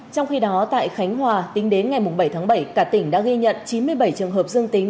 trong khi đó tại khánh hòa tính đến ngày bảy tháng bảy cả tỉnh đã ghi nhận chín mươi bảy trường hợp dương tính